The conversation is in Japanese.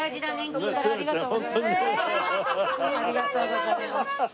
ありがとうございます。